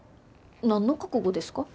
何の覚悟ですか？